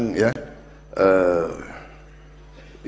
membuat orang kadang kadang ya